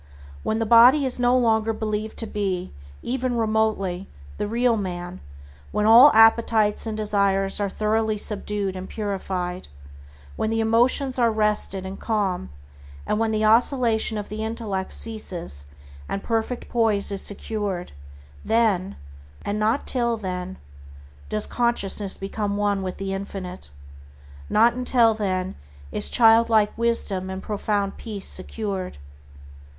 When the body is no longer believed to be, even remotely, the real man; when all appetites and desires are thoroughly subdued and purified; when the emotions are rested and calm, and when the oscillation of the intellect ceases and perfect poise is secured, then, and not till then, does consciousness become one with the Infinite; not until then is childlike wisdom and profound peace secured.